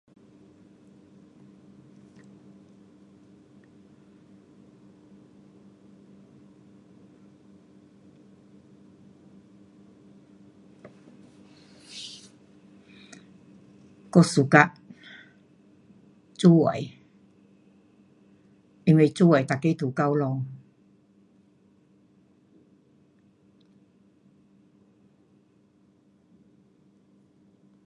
我 suka 煮的，因为煮的每个都够咯。